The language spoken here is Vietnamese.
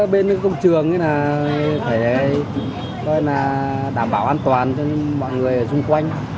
bên công trường thì phải đảm bảo an toàn cho mọi người ở xung quanh